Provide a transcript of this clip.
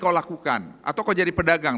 kau lakukan atau kau jadi pedagang